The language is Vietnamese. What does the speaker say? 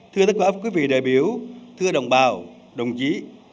thưa tất cả quý vị đại biểu thưa đồng bào đồng chí